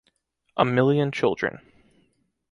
A million children.